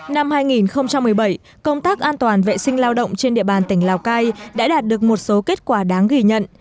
năm hai nghìn một mươi bảy công tác an toàn vệ sinh lao động trên địa bàn tỉnh lào cai đã đạt được một số kết quả đáng ghi nhận